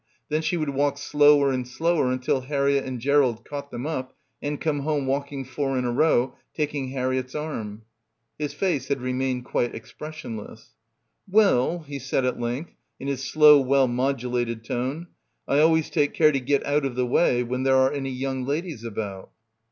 Then she would walk slower and slower until Harriett and Gerald raught them up and come home walking four in a row, taking Har riett's arm. His face had remained quite expres sionless. "Well," he said at length in his slow well modulated tone, "I always take care to get out of the way when there are any young ladies about."